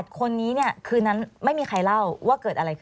คนนี้เนี่ยคืนนั้นไม่มีใครเล่าว่าเกิดอะไรขึ้น